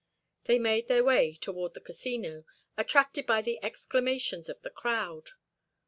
They made their way toward the Casino, attracted by the exclamations of the crowd.